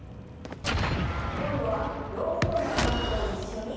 今度は両方のかかとを一緒に。